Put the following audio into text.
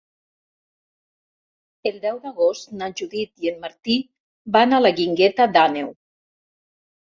El deu d'agost na Judit i en Martí van a la Guingueta d'Àneu.